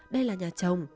đây là nhà chồng